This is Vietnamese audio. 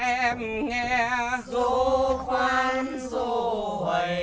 em nghe dô khoan dô hầy